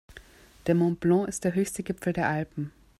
Der Mont Blanc ist der höchste Gipfel der Alpen.